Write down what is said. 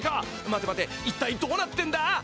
待て待て一体どうなってんだ！？